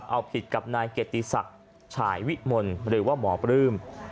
เอาผิดกับนายเกียรติศักดิ์ฉายวิมลหรือว่าหมอปลื้ม